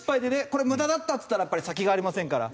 これ無駄だったっつったらやっぱり先がありませんから。